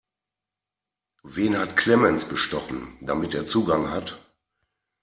Wen hat Clemens bestochen, damit er Zugang hat?